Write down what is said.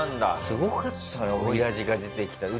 すごかったよ